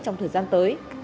trong thời gian tới